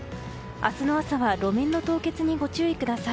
明日の朝は路面の凍結にご注意ください。